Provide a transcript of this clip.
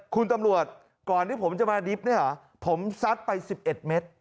คุณตำรวจก่อนที่ผมจะมาดริปผมซัดไป๑๑เมตร